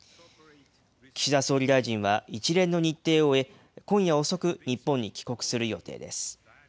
岸田総理大臣は一連の日程を終え、今夜遅く、日本に帰国する予定です。